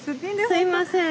すいません。